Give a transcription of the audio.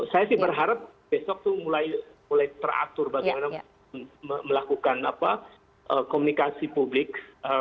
saya sih berharap besok tuh mulai teratur bagaimana melakukan komunikasi publik